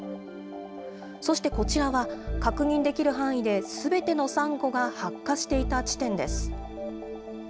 そしてこちらは、確認できる範囲で、すべてのサンゴが白化していた地点です。